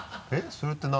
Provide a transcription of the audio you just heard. それって何？